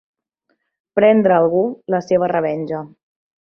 Prendre algú la seva revenja.